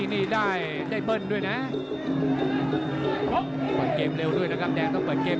นี่คือยอดมวยแท้รักที่ตรงนี้ครับ